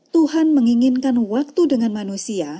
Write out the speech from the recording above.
tuhan menginginkan waktu dengan manusia